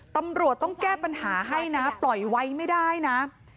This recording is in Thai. ตำรวจต้องแก้ปัญหาให้นะปล่อยไว้ไม่ได้นะ